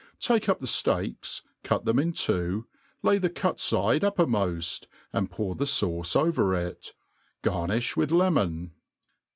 Take up the fteaks, cut them in two, lay the cut fide uppcrmofl:, and pour the fauce over it, Garni(h with lemon.